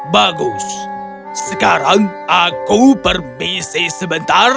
bagus sekarang aku perbisi sebentar